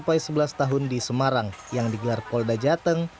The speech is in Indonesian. vaksinasi anak usia enam hingga sebelas tahun di semarang yang digelar polda jateng